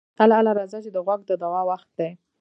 اله اله راځه چې د غوږ د دوا وخت دی.